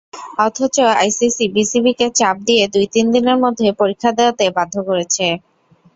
অথচ আইসিসি বিসিবিকে চাপ দিয়ে দুই-তিন দিনের মধ্যে পরীক্ষা দেওয়াতে বাধ্য করেছে।